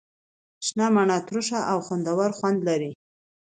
شنه مڼه ترش او خوندور خوند لري.